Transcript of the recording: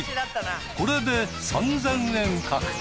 これで３，０００円獲得。